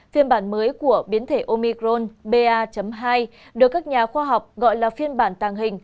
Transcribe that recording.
phiên bản mới của biến thể omicron ba hai được các nhà khoa học gọi là phiên bản tàng hình